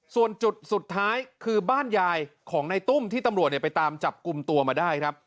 ส่วนจุดสุดท้ายคือบ้านยายของในตุ้มที่ตำรวจไปตามจับกลุ่มตัวมาได้ครับ